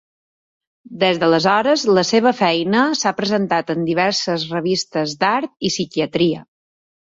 Des d'aleshores la seva feina s'ha presentat en diverses revistes d'art i psiquiatria.